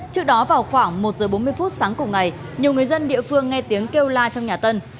trước đó vào khoảng một giờ bốn mươi phút sáng cùng ngày nhiều người dân địa phương nghe tiếng kêu la trong nhà tân